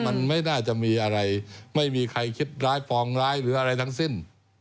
มันไม่น่าจะมีอะไรไม่มีใครคิดร้ายฟองร้ายหรืออะไรทั้งสิ้น